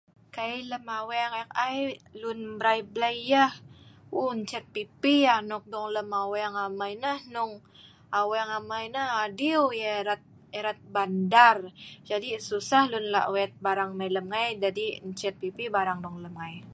kai lem aweng ek ai lun mrai blei yeh uii ncet pi pi anok dong lem aweng amei nah hnung aweng amai nah adiu yeh erat erat bandar jadi susah lun lak wet barang mei lem ngai jadi ncet pi pi barang dong lem ngai